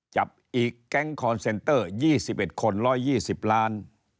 จับอีกแก๊งคอนเซนเตอร์๒๑คน๑๒๐ล้าน